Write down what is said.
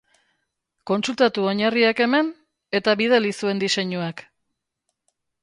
Kontsultatu oinarriak hemen, eta bidali zuen diseinuak.